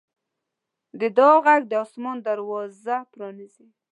د دعا غږ د اسمان دروازه پرانیزي.